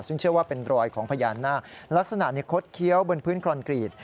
ซึ่งเชื่อว่าเป็นรอยของพญานาคลักษณะคดเคี้ยวบนพื้นคอนกรีต